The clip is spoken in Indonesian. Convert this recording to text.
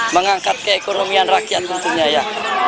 mengangkat keekonomian rakyat tentunya ya